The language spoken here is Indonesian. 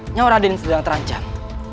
nyawa raden sedang terancam